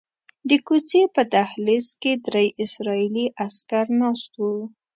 د کوڅې په دهلیز کې درې اسرائیلي عسکر ناست وو.